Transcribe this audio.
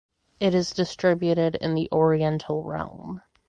It is distributed in the Oriental realm.